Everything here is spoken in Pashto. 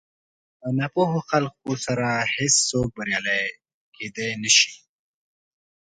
له ناپوهو خلکو سره هېڅ څوک بريالی نه شي کېدلی.